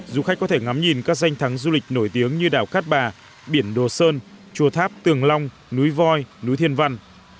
du khách có thể ngắm nhìn các danh thắng du lịch nổi tiếng như đảo cát bà biển đồ sơn chùa tháp tường long núi voi núi thiên văn